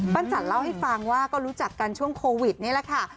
จันเล่าให้ฟังว่าก็รู้จักกันช่วงโควิดนี่แหละค่ะ